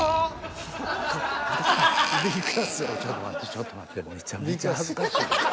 ちょっと待ってちょっと待って。